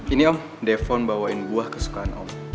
ini om defon bawain buah kesukaan om